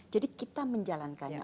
jadi kita menjalankannya